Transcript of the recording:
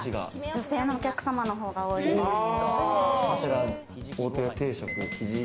女性のお客様の方が多いです。